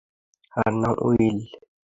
তার নাম উইল।